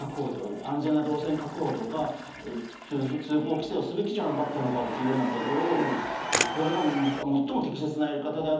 安全な動線確保とか通行規制をすべきじゃなかったのかっていうことをそれが最も適切なやり方であった。